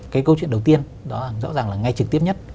cái câu chuyện đầu tiên đó là rõ ràng là ngay trực tiếp nhất